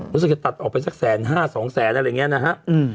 รู้สึกจะตัดออกไปสักแสนห้าสองแสนอะไรอย่างนี้นะฮะ